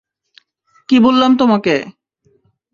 কী বললাম তোমাকে।